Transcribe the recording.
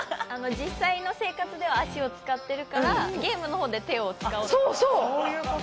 実際の生活では足を使っているからゲームの方では手を使うっていうこと？